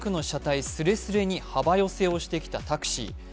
車体すれすれに幅寄せをしてきたタクシー。